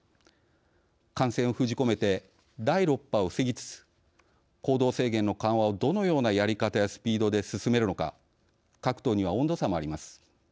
感染を封じ込めて第６波を防ぎつつ行動制限の緩和をどのようなやり方やスピードで進めるのか各党には温度差もあります。